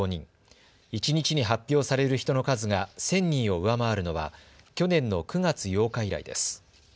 一日に発表される人の数が１０００人を上回るのは去年の９月８日以来です。